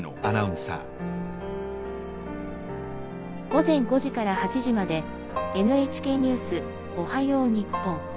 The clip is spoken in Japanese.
「午前５時から８時まで『ＮＨＫニュースおはよう日本』。